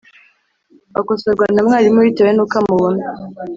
Akosorwa na mwarimu bitewe n’uko amubona